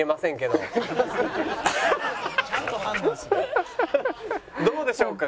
どうでしょうか？